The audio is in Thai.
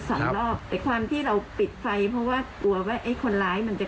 สองรอบแต่ความที่เราปิดไฟเพราะว่ากลัวว่าไอ้คนร้ายมันจะ